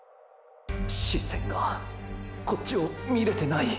視線がこっちを見れてない。